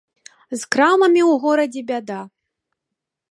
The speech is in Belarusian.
З крамамі ў горадзе бяда.